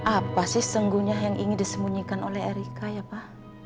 apa sih sesungguhnya yang ingin disembunyikan oleh erika ya pak